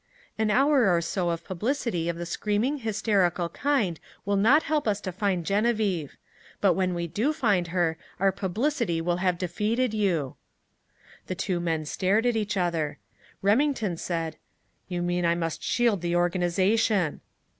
"An hour or so of publicity of the screaming, hysterical kind will not help us to find Geneviève. But when we do find her, our publicity will have defeated you!" The two men stared at each other. Remington said: "You mean I must shield the organization!"